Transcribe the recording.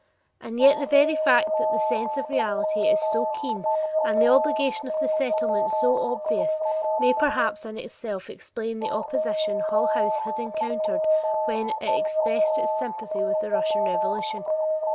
And yet the very fact that the sense of reality is so keen and the obligation of the Settlement so obvious may perhaps in itself explain the opposition Hull House has encountered when it expressed its sympathy with the Russian revolution.